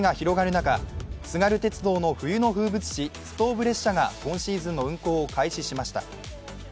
中津軽鉄道の冬の風物詩ストーブ列車が今シーズンの運行を開始しました。